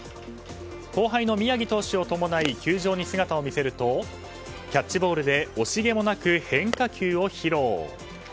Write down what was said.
後輩の宮城投手を伴い球場に姿を見せるとキャッチボールで惜しげもなく変化球を披露。